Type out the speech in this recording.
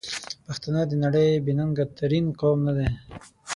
پښتانه د نړۍ بې ننګ ترین قوم ندی؟!